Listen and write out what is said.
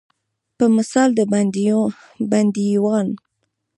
په مثال د بندیوان.